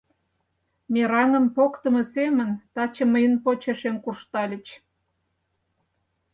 Мераҥым поктымо семын, таче мыйын почешем куржтальыч.